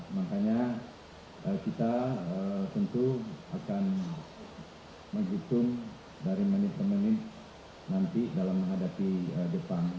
makanya kita tentu akan menghitung dari menit ke menit nanti dalam menghadapi depan